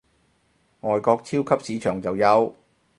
外國超級市場就有